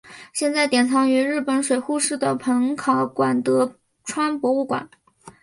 现在典藏于日本水户市的彰考馆德川博物馆。